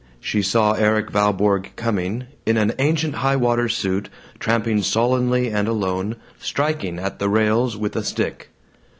She saw Erik Valborg coming, in an ancient highwater suit, tramping sullenly and alone, striking at the rails with a stick.